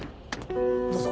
どうぞ。